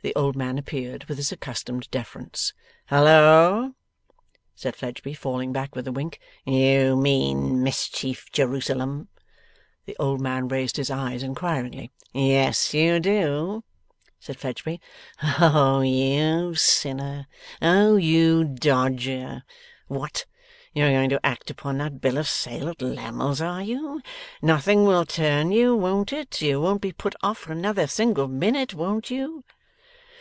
The old man appeared, with his accustomed deference. 'Halloa!' said Fledgeby, falling back, with a wink. 'You mean mischief, Jerusalem!' The old man raised his eyes inquiringly. 'Yes you do,' said Fledgeby. 'Oh, you sinner! Oh, you dodger! What! You're going to act upon that bill of sale at Lammle's, are you? Nothing will turn you, won't it? You won't be put off for another single minute, won't you?